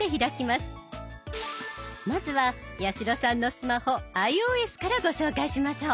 まずは八代さんのスマホｉＯＳからご紹介しましょう。